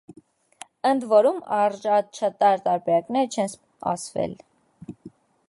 Ընդ որում առաջատար տարբերակները չեն ասվել։